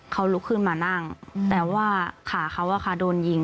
เขาลุกขึ้นมานั่งแต่ว่าขาเขาอะค่ะโดนยิง